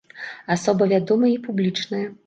Асоба вядомая і публічная.